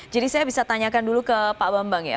jadi saya bisa tanyakan dulu ke pak bambang ya